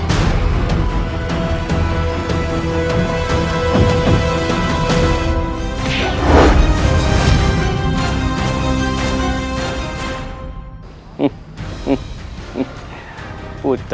dari mengungkapku tadi